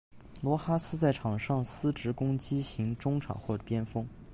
罗哈斯在场上司职攻击型中场或边锋。